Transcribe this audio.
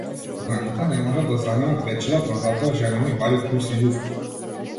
Пуканките не можат да заменат вечера, па затоа жена ми вари плус и јуфки.